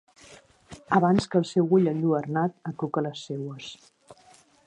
Abans que el seu ull enlluernat acluque les seues.